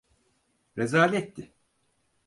Rezaletti.